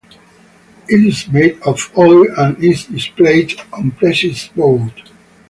It is made of oil and is displayed on pressed board.